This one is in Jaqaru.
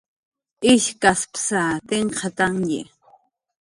ishkaspsa tinkqhatantyi